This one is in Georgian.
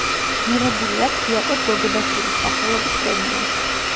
მიღებული აქვს იაკობ გოგებაშვილის სახელობის პრემია.